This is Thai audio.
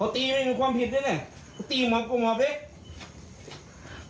พ่อแม่พี่น้องพี่บ้ามาแต่ได้เลย